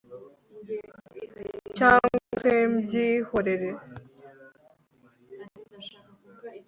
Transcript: cyangwa se mbyihorere